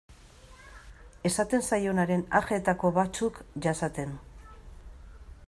Esaten zaionaren ajeetako batzuk jasaten.